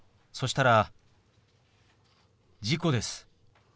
そしたら「事故です。